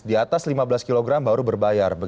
di atas lima belas kg baru berbayar